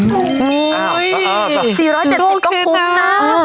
อุ้ย๔๗๐ก็พุ่งนะ